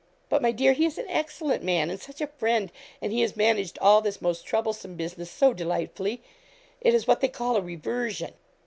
'But, my dear, he is an excellent man, and such a friend, and he has managed all this most troublesome business so delightfully. It is what they call a reversion.'